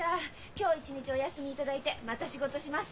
今日一日お休み頂いてまた仕事します。